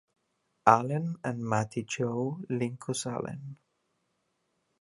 Allen and Mattie Jo Linkous Allen.